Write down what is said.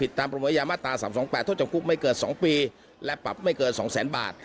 ผิดตามประมวลญายมาตร๓๒๘ต้อนรับทุกขุมโทษใหม่เกิดสองปีและปรับไม่เกิดสองแสนบาท